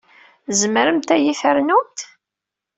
Tzemremt ad iyi-ternumt?